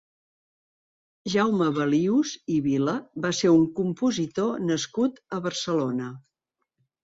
Jaume Balius i Vila va ser un compositor nascut a Barcelona.